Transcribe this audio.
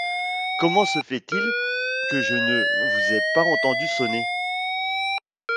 Comment se fait-il que je ne vous aie pas entendu sonner ?